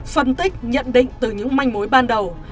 phân tích nhận định từ những manh mối ban đầu